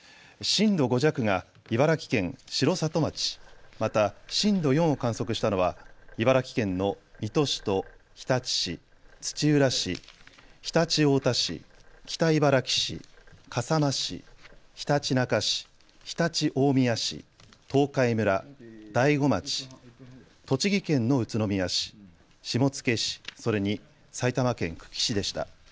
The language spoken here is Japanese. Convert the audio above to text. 震度５弱が茨城県城里町、また震度４を観測したのは茨城県の水戸市と日立市、土浦市、常陸太田市、北茨城市、笠間市、ひたちなか市、常陸大宮市、東海村、大子町、栃木県の宇都宮市、下野市それに埼玉県久喜市でした。